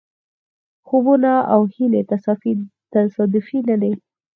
خوبونه او هیلې تصادفي نه دي.